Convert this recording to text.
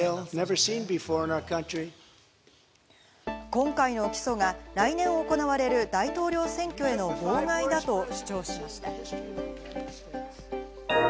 今回の起訴が来年行われる大統領選挙への妨害だと主張しました。